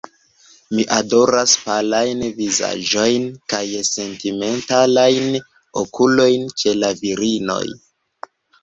Mi adoras palajn vizaĝojn kaj sentimentalajn okulojn ĉe la virinoj.